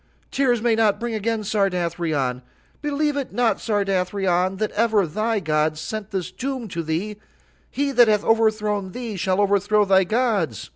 "Tears may not bring again Sardathrion. "Believe it not, Sardathrion, that ever thy gods sent this doom to thee; he that hath overthrown thee shall overthrow thy gods.